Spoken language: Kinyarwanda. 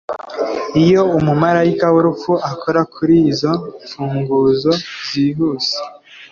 iyo umumarayika wurupfu akora kuri izo mfunguzo zihuse